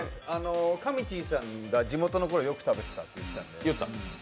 かみちぃさんが地元の子でこれよく食べてたって言ってたじゃないですか。